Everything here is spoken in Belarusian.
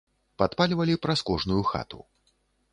Падпальвалі праз кожную хату.